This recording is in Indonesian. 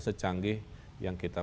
secanggih yang kita